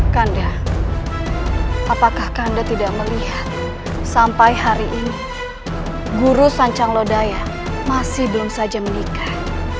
kanda apakah kakanda tidak melihat sampai hari ini guru sancaglodaya masih belum saja menikah